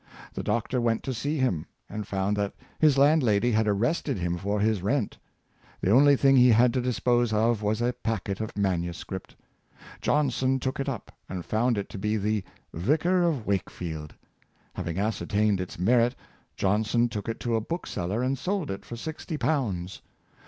The Doctor went to see him, and found that his landlady had arrested him for his rent. The only thing he had to dispose of was a packet of manuscript. Johnson took it up, and found it to be the ^' Vicar of Wakefield." Having ascertained its merit, Johnson took it to a bookseller and sold it for sixty pounds.